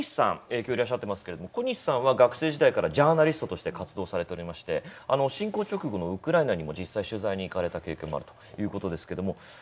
今日いらっしゃってますけれども小西さんは学生時代からジャーナリストとして活動されておりまして侵攻直後のウクライナにも実際取材に行かれた経験もあるということですけども。